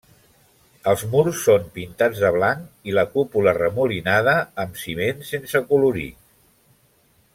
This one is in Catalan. Els murs són pintats de blanc i la cúpula remolinada amb ciment sense acolorir.